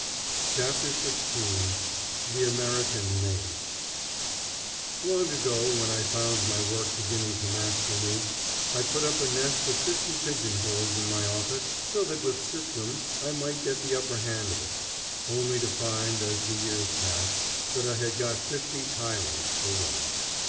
CHAPTER XVI THE AMERICAN MADE LONG ago, when I found my work beginning to master me, I put up a nest of fifty pigeonholes in my office so that with system I might get the upper hand of it; only to find, as the years passed, that I had got fifty tyrants for one.